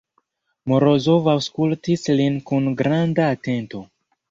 Morozov aŭskultis lin kun granda atento.